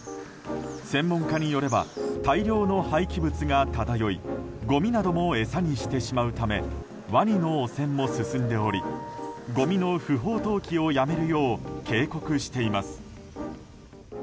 専門家によれば大量の廃棄物が漂いごみなども餌にしてしまうためワニの汚染も進んでおりごみの不法投棄をやめるよう警告しています。